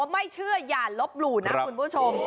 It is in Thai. ไม่เชื่ออย่าลบหลู่นะคุณผู้ชม